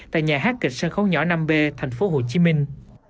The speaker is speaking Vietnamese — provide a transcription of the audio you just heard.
tại nhà hát kịch sân khấu nhỏ năm b thành phố hồ chí minh